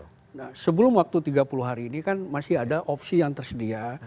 nah sebelum waktu tiga puluh hari ini kan masih ada opsi yang tersedia